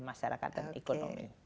masyarakat dan ekonomi